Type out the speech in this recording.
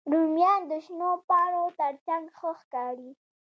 رومیان د شنو پاڼو تر څنګ ښه ښکاري